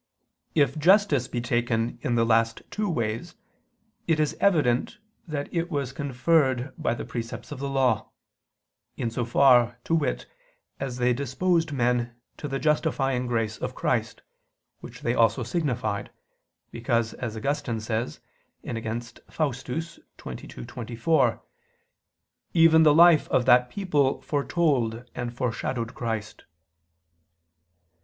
If justice be taken in the last two ways, it is evident that it was conferred by the precepts of the Law; in so far, to wit, as they disposed men to the justifying grace of Christ, which they also signified, because as Augustine says (Contra Faust. xxii, 24), "even the life of that people foretold and foreshadowed Christ."